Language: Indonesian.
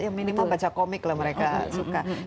ya minimal baca komik lah mereka suka